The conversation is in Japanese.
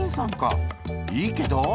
いいけどー」。